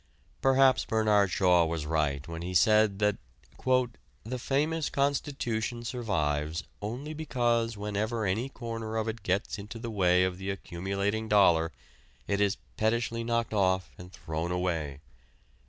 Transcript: Perhaps Bernard Shaw was right when he said that "the famous Constitution survives only because whenever any corner of it gets into the way of the accumulating dollar it is pettishly knocked off and thrown away.